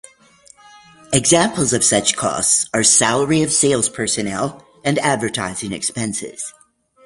Examples of such costs are salary of sales personnel and advertising expenses.